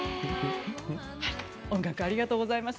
音楽ありがとうございました。